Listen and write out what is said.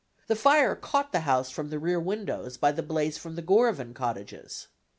The fire caught the house from the rear windows by the blaze from the Gorovan cottages.